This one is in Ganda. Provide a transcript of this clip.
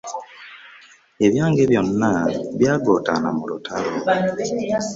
Ebyange byonna byagootaana mu lutalo.